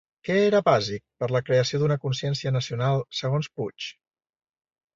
Què era bàsic per la creació d'una consciència nacional segons Puig?